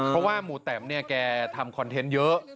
เพราะว่าหมู่แตมเนี่ยแกทำคอนเทนต์เยอะ